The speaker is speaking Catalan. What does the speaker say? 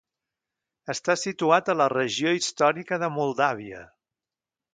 Està situat a la regió històrica de Moldàvia.